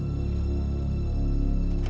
tapi kok pintunya gak dibuka